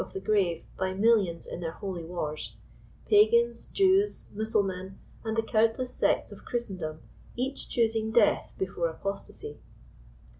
of the grave by millions in their holy wars"; — ^Pagans, Jews, Mussulmen, and the countless sects of Christendom, each choosing death before apostasy.